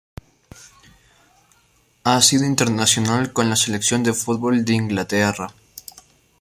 Ha sido internacional con la Selección de fútbol de Inglaterra.